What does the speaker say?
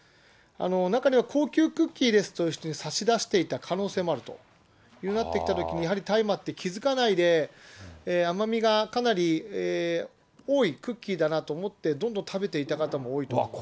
中には高級クッキーですと差し出していた可能性もあるとなってきたときに、大麻って気付かないで、甘みがかなり多いクッキーだなと思って、どんどん食べていた方も多いと思います。